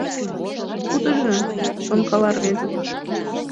«Кудыжо?» — шонкала рвезе.